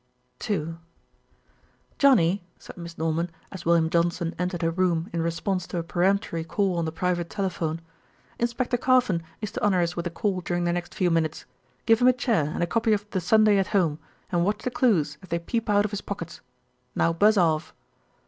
II "Johnnie," said Miss Norman, as William Johnson entered her room in response to a peremptory call on the private telephone, "Inspector Carfon is to honour us with a call during the next few minutes. Give him a chair and a copy of The Sunday at Home, and watch the clues as they peep out of his pockets. Now buzz off."